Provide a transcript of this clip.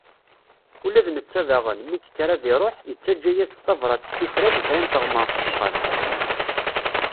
Ula d netta daɣen, mi yekker ad iruḥ, yettaǧǧa-yas-d tabrat s tuffra di kra n teɣmert n uxxam.